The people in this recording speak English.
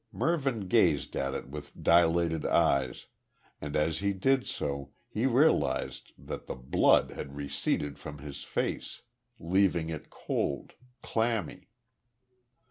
Mervyn gazed at it with dilated eyes, and as he did so he realised that the blood had receded from his face, leaving it cold clammy.